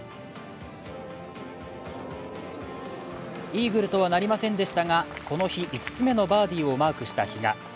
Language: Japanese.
イーグルとはなりませんでしたがこの日５つ目のバーディーをマークした比嘉。